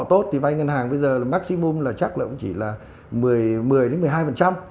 họ tốt thì vay ngân hàng bây giờ là maximum là chắc là cũng chỉ là một mươi đến một mươi hai